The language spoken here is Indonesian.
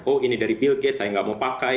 oh ini dari bill gate saya nggak mau pakai